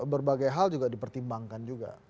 berbagai hal juga dipertimbangkan juga